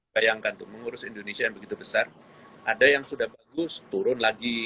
bayangkan tuh mengurus indonesia yang begitu besar ada yang sudah bagus turun lagi